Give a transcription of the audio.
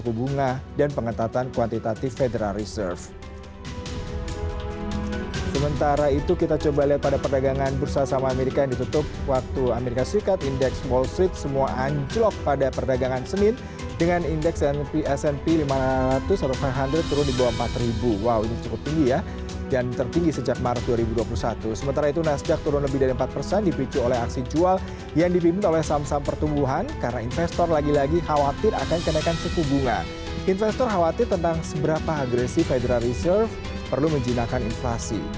kondisi tersebut akan memicu ketidakpastian ekonomi global serta kemungkinan resesi